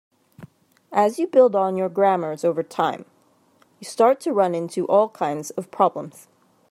As you build on your grammars over time, you start to run into all kinds of problems.